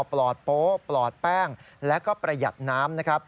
ปลอดโป๊ะปลอดแป้งและก็ประหยัดน้ำ